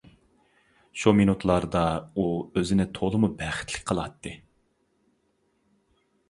شۇ مىنۇتلاردا ئۇ ئۆزىنى تولىمۇ بەختلىك قىلاتتى.